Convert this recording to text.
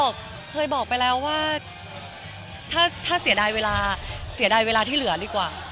ก็เคยบอกไปแล้วว่าถ้าเสียดายเวลาเสียดายเวลาที่เหลือดีกว่า